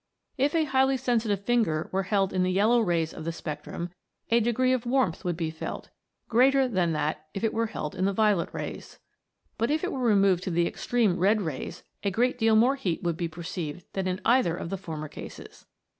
If a highly sensitive finger were held in the yellow rays of the spectrum, a degree of warmth would be felt, greater than if it were held in the violet rays. But if it were removed to the extreme red rays a great deal more heat would be perceived than in either of the former cases.